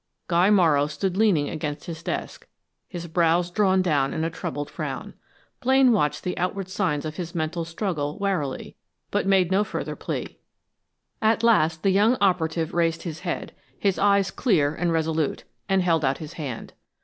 Guy Morrow stood leaning against his desk, his brows drawn down in a troubled frown. Blaine watched the outward signs of his mental struggle warily, but made no further plea. At last the young operative raised his head, his eyes clear and resolute, and held out his hand.